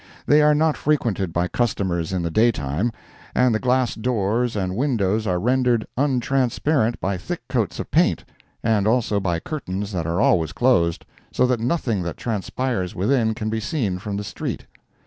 They are not frequented by customers in the day time, and the glass doors and windows are rendered untransparent by thick coats of paint, and also by curtains that are always closed, so that nothing that transpires within can be seen from the street.